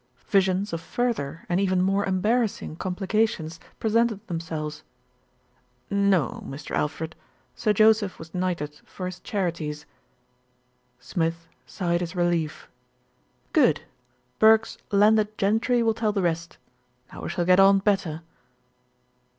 Vi sions of further and even more embarrassing complica tions presented themselves. "No, Mr. Alfred, Sir Joseph was knighted for his charities." Smith sighed his relief. "Good. Burke's Landed Gentry will tell the rest. Now we shall get on better."